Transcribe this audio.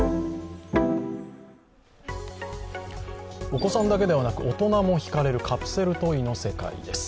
お子さんだけではなく大人もひかれるカプセルトイの世界です。